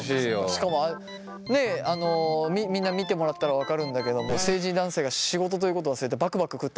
しかもねっみんな見てもらったら分かるんだけども成人男性が仕事ということを忘れてバクバク食ってますから。